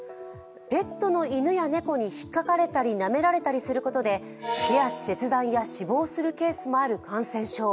ペットの犬や猫にひっかかれたり、なめられたりすることで手足切断や死亡するケースもある感染症。